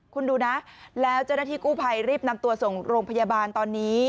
คุณดูนะแล้วเจ้าหน้าที่กู้ภัยรีบนำตัวส่งโรงพยาบาลตอนนี้